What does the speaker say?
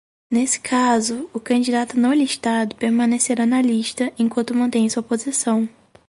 Nesse caso, o candidato não listado permanecerá na lista enquanto mantém sua posição.